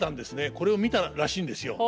これを見たらしいんですよ。